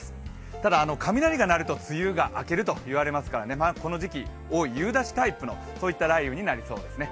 ただ、雷が鳴ると梅雨が明けると言われますからねこの時期多い夕立タイプの雷雨となりそうですね。